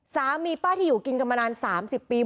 สามีป้าที่อยู่กินกันมานาน๓๐ปี